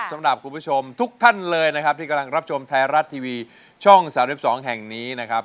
สำหรับคุณผู้ชมทุกท่านเลยนะครับที่กำลังรับชมไทยรัฐทีวีช่อง๓๒แห่งนี้นะครับ